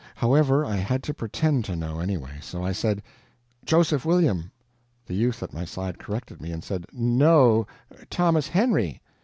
However, I had to pretend to know, anyway, so I said: "Joseph William." The youth at my side corrected me, and said: "No, Thomas Henry."